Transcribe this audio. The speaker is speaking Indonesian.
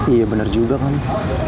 iya bener juga kamu